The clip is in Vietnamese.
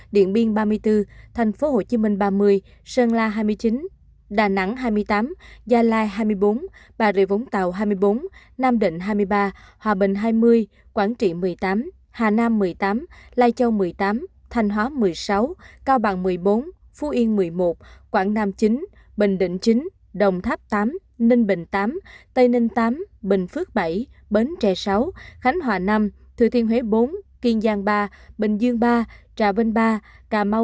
điện biên ba mươi bốn thành phố hồ chí minh ba mươi sơn la hai mươi chín đà nẵng hai mươi tám gia lai hai mươi bốn bà rịa vũng tàu hai mươi bốn nam định hai mươi ba hòa bình hai mươi quảng trị một mươi tám hà nam một mươi tám lai châu một mươi tám thành hóa một mươi sáu cao bằng một mươi bốn phú yên một mươi một quảng nam chín bình định chín đồng tháp tám ninh bình tám tây ninh tám bình phước bảy bến trẻ sáu khánh hòa năm thừa thiên huế bốn kiên giang ba bình dương ba trà bình ba đà nẵng tám hà năng chín thành hóa sáu thành hóa sáu phú yên một mươi một phú yên một mươi một quảng nam chín đà n